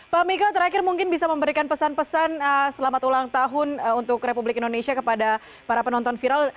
pak miko terakhir mungkin bisa memberikan pesan pesan selamat ulang tahun untuk republik indonesia kepada para penonton viral